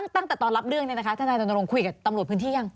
ตั้งแต่ตอนรับเรื่องนี้นะคะทนายรณรงค์คุยกับตำรวจพื้นที่ยัง